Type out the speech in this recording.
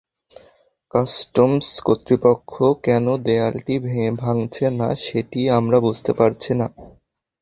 Customs কর্তৃপক্ষ কেন দেয়ালটি ভাঙছে না, সেটি আমরা বুঝতে পারছি না।